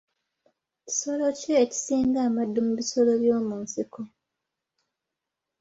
Kisolo ki ekisinga amaddu mu bisolo by'omu nsiko?